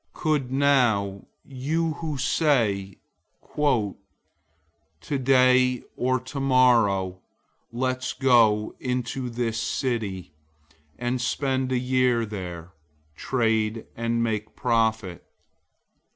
004:013 Come now, you who say, "Today or tomorrow let's go into this city, and spend a year there, trade, and make a profit."